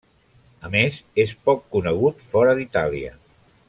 A més, és poc conegut fora d'Itàlia.